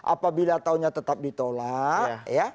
apabila taunya tetap ditolak